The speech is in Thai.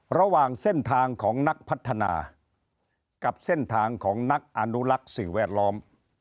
ระหว่างเส้นทางของนักพัฒนากับเส้นทางของนักอนุลักษ์สิ่งแวดล้อม